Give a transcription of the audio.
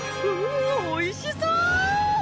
うぅおいしそう！